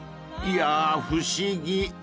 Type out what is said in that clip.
［いやー不思議］